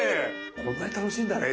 こんなに楽しいんだね